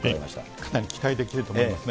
かなり期待できると思いますね。